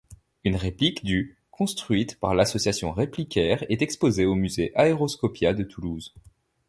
Une réplique du construite par l'association Réplic'air est exposée au musée Aeroscopia de Toulouse.